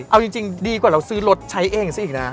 เอาจริงดีกว่าเราซื้อรถใช้เองซะอีกนะ